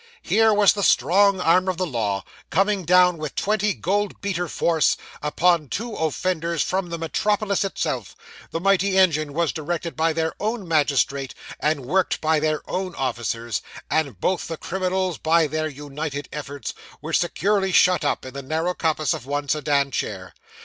Here was the strong arm of the law, coming down with twenty gold beater force, upon two offenders from the metropolis itself; the mighty engine was directed by their own magistrate, and worked by their own officers; and both the criminals, by their united efforts, were securely shut up, in the narrow compass of one sedan chair.